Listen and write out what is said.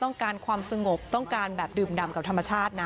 ความสงบต้องการแบบดื่มดำกับธรรมชาตินะ